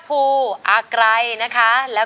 ขอบคุณครับ